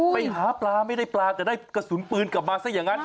ไปหาปลาไม่ได้ปลาแต่ได้กระสุนปืนกลับมาซะอย่างนั้น